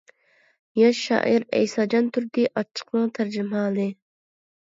ياش شائىر ئەيساجان تۇردى ئاچچىقنىڭ تەرجىمىھالى.